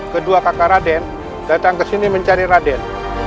kedua kakak raden datang ke sini mencari raden